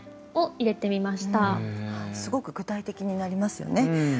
すごく具体的になりますよね。